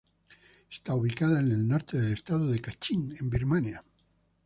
Está ubicada en el norte del estado de Kachin, en Birmania.